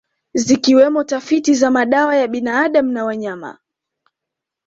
Zikiwemo tafiti za madawa ya binadamu na wanyama